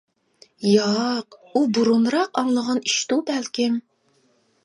ياق، ئۇ بۇرۇنراق ئاڭلىغان ئىشتۇ بەلكىم.